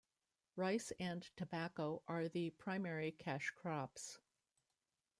Rice and tobacco are the primary cash crops.